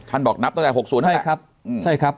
ท่านบอกนับตั้งแต่๖๐นะครับ